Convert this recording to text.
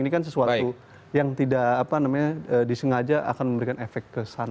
ini kan sesuatu yang tidak disengaja akan memberikan efek ke sana